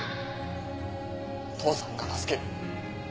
父さんが助ける。